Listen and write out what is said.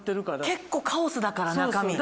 結構カオスだから中身。